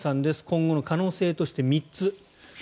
今後の可能性として３つ。